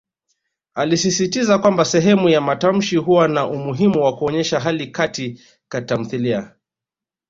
Alisisitiza kwamba sehemu ya matamshi huwa na umuhimu wa kuonyesha hali Kati ka tamthilia.